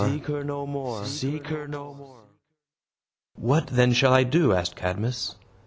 Seek her no more! Seek her no more!" "What, then, shall I do?" asked Cadmus.